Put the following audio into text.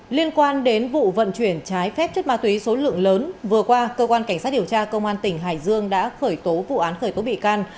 liên quan đến vụ vận chuyển trái phép chất ma túy số lượng lớn vừa qua cơ quan cảnh sát điều tra công an tỉnh hải dương đã khởi tố vụ án khởi tố bị can